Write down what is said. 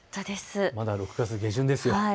まだ６月下旬ですよ。